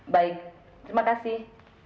baik terima kasih